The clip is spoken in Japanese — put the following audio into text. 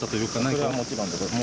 それはもちろん。